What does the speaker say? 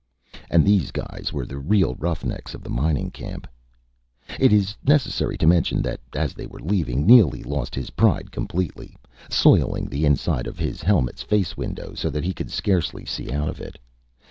And these guys were the real roughnecks of the mining camp. Is it necessary to mention that, as they were leaving, Neely lost his pride completely, soiling the inside of his helmet's face window so that he could scarcely see out of it?